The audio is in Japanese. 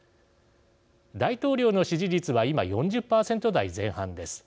大統領の支持率は今４０％台前半です。